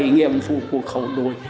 bảy nghiệm vụ của khẩu đội